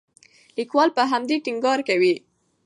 لیکوال پر همدې ټینګار کوي.